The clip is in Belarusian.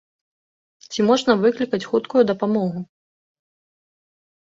Ці можна выклікаць хуткую дапамогу?